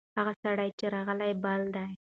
هغه سړی چې راغلی، بل دی.